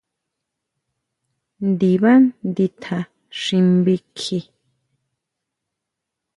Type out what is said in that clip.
Ndibá nditja xi nbí kji.